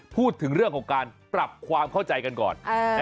พูดถึงเรื่องของการปรับความเข้าใจกันก่อน